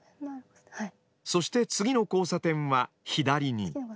そして次の交差点は左に。